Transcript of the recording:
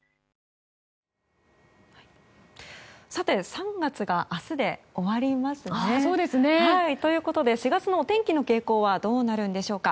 ３月が明日で終わりますね。ということで４月のお天気傾向はどうなるんでしょうか。